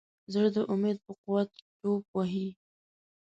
زړه د امید په قوت ټوپ وهي.